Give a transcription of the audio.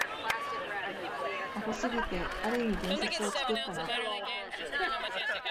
アホすぎて、ある意味伝説を作ったな